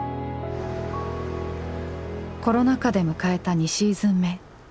コロナ禍で迎えた２シーズン目。